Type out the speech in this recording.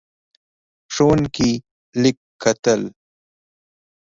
ښوونکی لیک کتل.